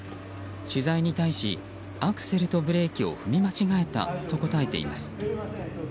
取材に対しアクセルとブレーキを踏み間違えたと答えています。